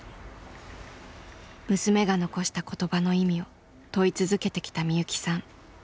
娘が残した言葉の意味を問い続けてきたみゆきさん。